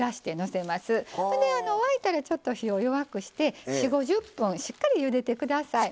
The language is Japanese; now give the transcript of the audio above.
沸いたらちょっと火を弱くして４０５０分しっかりゆでて下さい。